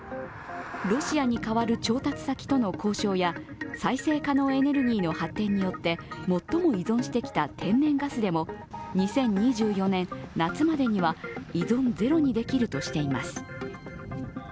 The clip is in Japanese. ロシアに代わる調達先との交渉や再生可能エネルギーの発展によって最も依存してきた天然ガスでも２０２４年夏までには依存ゼロにできるとしています。